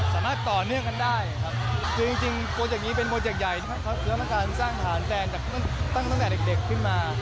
ผมก็ต้องดูว่าเป็นอย่างไร